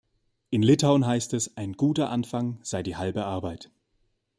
In Litauen heißt es, ein guter Anfang sei die halbe Arbeit.